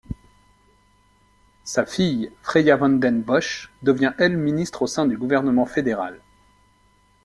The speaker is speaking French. Sa fille, Freya Van den Bossche devient, elle, ministre au sein du gouvernement fédéral.